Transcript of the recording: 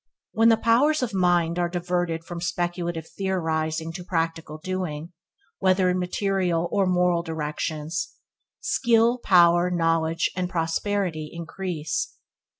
When the powers of the mind are diverted from speculative theorizing to practical doing, whether in material or moral directions, skill, power, knowledge, and prosperity increase.